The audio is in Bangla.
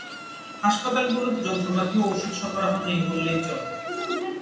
হাসপাতাল গুলোতে যন্ত্রপাতি ও ঔষধ সরবরাহ নেই বললেই চলে।